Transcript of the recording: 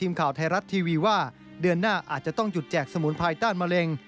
ทีมข่าวไทยรัฐทีวีว่าเดือนหน้าอาจจะต้องหยุดแจกสมุนไพรต้านมะเร็ง